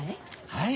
はい。